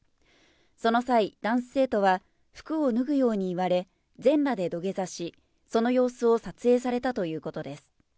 その際、男子生徒は服を脱ぐように言われ、全裸で土下座し、その様子を撮影されたということです。